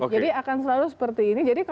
jadi akan selalu seperti ini